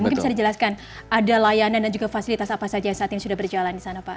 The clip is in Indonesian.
mungkin bisa dijelaskan ada layanan dan juga fasilitas apa saja yang saat ini sudah berjalan di sana pak